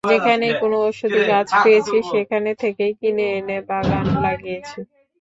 যেখানেই কোনো ঔষধি গাছ পেয়েছি, সেখান থেকেই কিনে এনে বাগানে লাগিয়েছি।